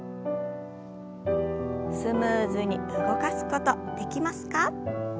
スムーズに動かすことできますか？